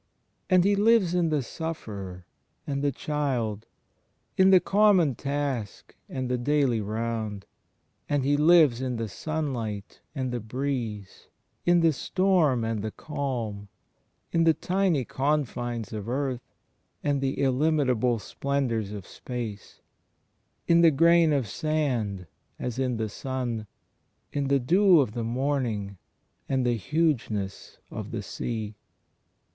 And He lives in the sufferer, and the child; in the com mon task and the daily roimd; and He lives in the sunlight and the breeze, in the storm and the calm, in l66 THE PSIEKDSHIP OF CHSIST the tiny confines of earth, and the illunitable splendours of space; in the grain of sand as in the Sun; in the dew of the morning and the hugeness of the sea.